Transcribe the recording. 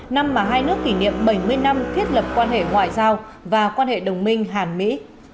năm mà hai nước kỷ niệm bảy mươi năm thiết lập quan hệ ngoại giao và quan hệ đồng minh hàn mỹ